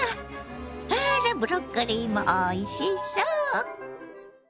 あらブロッコリーもおいしそう。